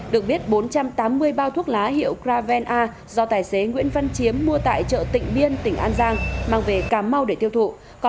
được biết bốn trăm tám mươi bao thuốc lá hiệu graven a do tài xế nguyễn văn chiếm mua tại chợ tịnh biên tỉnh an giang mang về cà mau để tiêu thụ